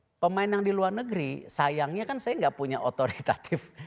kalau pemain yang di luar negeri sayangnya kan saya nggak punya otoritatif